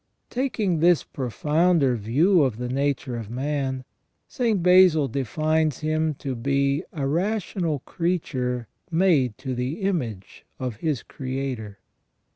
Taking this profounder view of the nature of man, St. Basil defines him to be "a rational creature made to the image of his Creator